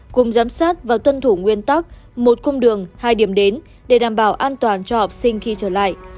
cùng giám sát và tuân thủ nguyên tắc một cung đường hai điểm đến để đảm bảo an toàn cho học sinh khi trở lại